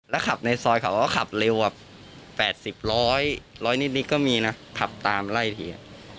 แล้วขับในซอยเขาก็ขับเร็วอะ๘๐๑๐๐ร้อยนิดนิดก็มีนะขับตามไล่ที